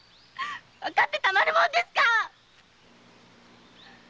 わかってたまるもんですか‼